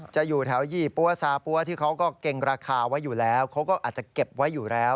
อยู่แถวยี่ปั้วซาปั้วที่เขาก็เกรงราคาไว้อยู่แล้วเขาก็อาจจะเก็บไว้อยู่แล้ว